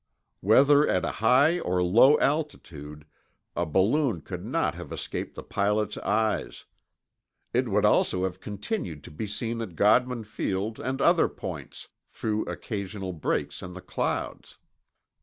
Whether at a high or low altitude, a balloon could not have escaped the pilot's eyes. It would also have continued to be seen at Godman Field and other points, through occasional breaks in the clouds.